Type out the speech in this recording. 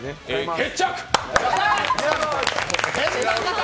決着！